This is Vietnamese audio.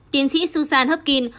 tiến sĩ susan hopkins